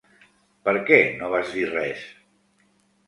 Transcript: Per què no vas dir res?